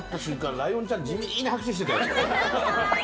ライオンちゃん地味に拍手してたよ。